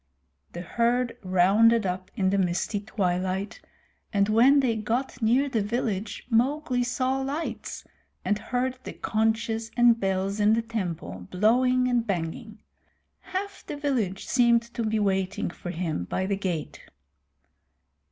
The herd rounded up in the misty twilight, and when they got near the village Mowgli saw lights, and heard the conches and bells in the temple blowing and banging. Half the village seemed to be waiting for him by the gate.